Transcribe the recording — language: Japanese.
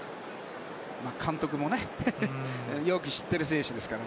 監督もねよく知っている選手ですから。